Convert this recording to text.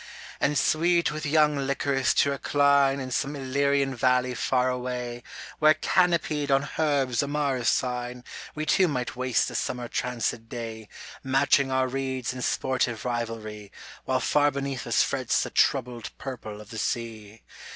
And sweet with young Lycoris to recline In some Illyrian valley far away, Where canopied on herbs amaracine We too might waste the summer tranced day Matching our reeds in sportive rivalry, While far beneath us frets the troubled purple of the sea.